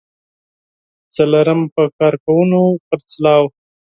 څلورم: په کارکوونکو خرڅلاو.